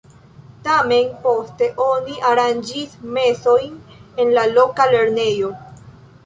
Tamen poste oni aranĝis mesojn en la loka lernejo.